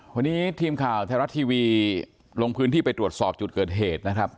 วันนี้ทีมข่าวไทยรัฐทีวีลงพื้นที่ไปตรวจสอบจุดเกิดเหตุนะครับ